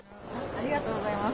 ありがとうございます。